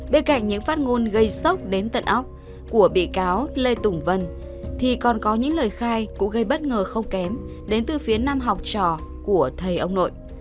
bên cạnh những phát ngôn gây sốc đến tận óc của bị cáo lê tùng vân thì còn có những lời khai cũng gây bất ngờ không kém đến từ phía nam học trò của thầy ông nội